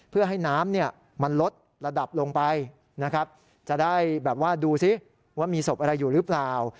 เพื่อให้น้ำมันลดระดับลงไปนะครับจะได้แบบว่าดูซิว่ามีศพอะไรอยู่หรือเปล่า